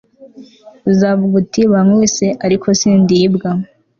uzavuga uti bankubise, ariko sindibwa